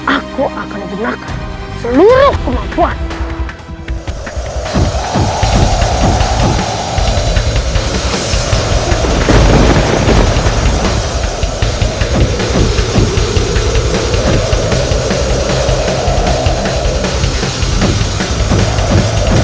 aku akan gunakan seluruh kemampuan